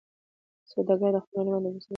سوداګر د خپلو مالونو پیسې د بانک له لارې لیږدوي.